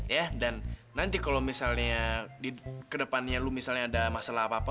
ya dan nanti kalau misalnya kedepannya lu misalnya ada masalah apa apa